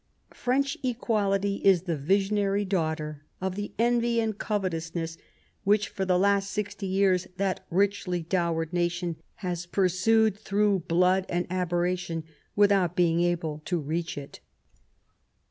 ... French equality is the visionary daughter of the envy and covetousness which, for the last sixty years, that richly dowered nation has pursued through blood and aberration without being able to reach it."